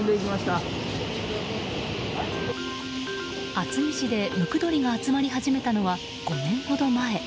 厚木市でムクドリが集まり始めたのは５年ほど前。